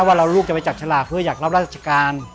ว่าเราลูกจะไปจับฉลากเพื่ออยากรับราชการ